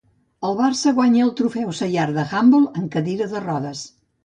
El Barça guanya el Trofeu Seyart d'handbol en cadira de rodes.